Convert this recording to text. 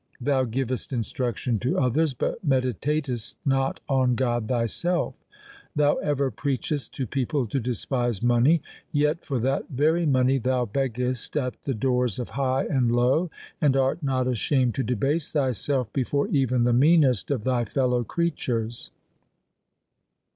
Thou givest instruction to others, but meditatest not on God thyself. Thou ever preachest to people to despise money. Yet for that very money thou beggest at the doors of high and low, and art not ashamed to debase thyself before even the meanest of thy fellow creatures.